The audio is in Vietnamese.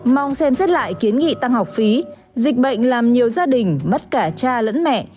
mong xem xét lại kiến nghị tăng học phí dịch bệnh làm nhiều gia đình mất cả cha lẫn mẹ